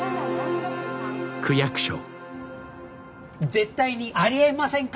絶対にありえませんか？